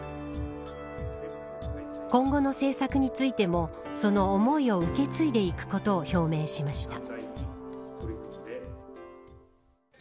今後の政策についてもその思いを受け継いでいくことを表明しました。